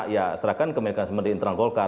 ya serahkan kemerdekaan semenit internal golkar